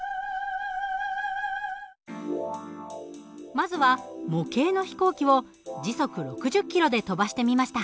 まずは模型の飛行機を時速６０ｋｍで飛ばしてみました。